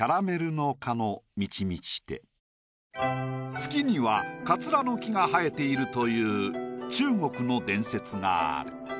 月には桂の木が生えているという中国の伝説がある。